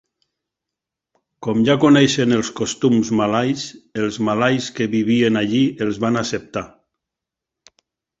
Com ja coneixien els costums malais, els malais que vivien allí els van acceptar.